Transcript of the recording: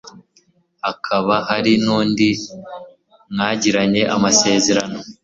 hakaba hari n'undi mwagiranye amasezerano